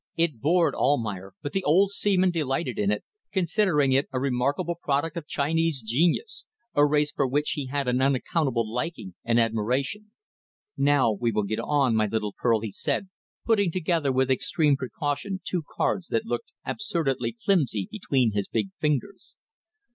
It bored Almayer, but the old seaman delighted in it, considering it a remarkable product of Chinese genius a race for which he had an unaccountable liking and admiration. "Now we will get on, my little pearl," he said, putting together with extreme precaution two cards that looked absurdly flimsy between his big fingers.